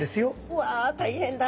うわ大変だ。